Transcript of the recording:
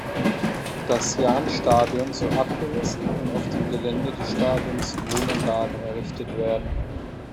Das Jahnstadion soll abgerissen und auf dem Gelände des Stadions Wohnanlagen errichtet werden.